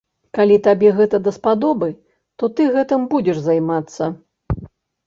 Калі табе гэта даспадобы, то ты гэтым будзеш займацца.